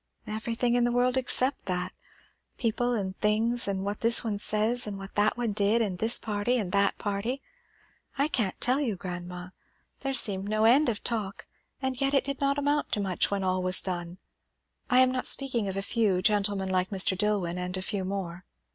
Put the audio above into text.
"Everything in the world, except that. People and things, and what this one says and what that one did, and this party and that party. I can't tell you, grandma. There seemed no end of talk; and yet it did not amount to much when all was done. I am not speaking of a few, gentlemen like Mr. Dillwyn, and a few more."